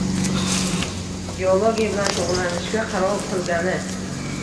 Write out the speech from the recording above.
geologiya bilan shugʻullanishga qaror qilgani